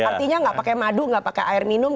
artinya gak pakai madu gak pakai air minum